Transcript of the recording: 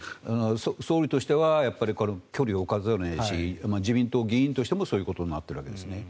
総理としてはこれは距離を置かざるを得ないし自民党議員としてもそういうことになっているわけですね。